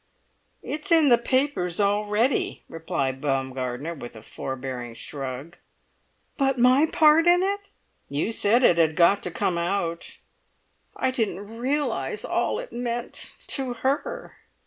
"It's in the papers already," replied Baumgartner, with a forbearing shrug. "But my part in it!" "You said it had got to come out." "I didn't realise all it meant—to her!"